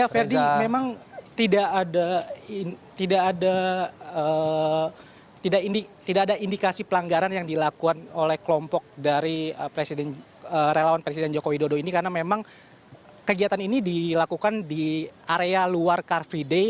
ya ferdi memang tidak ada indikasi pelanggaran yang dilakukan oleh kelompok dari relawan presiden jokowi dodo ini karena memang kegiatan ini dilakukan di area luar car free day